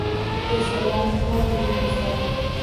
Ezg‘ilanib qoldi yulduzlar